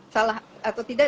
salah atau tidak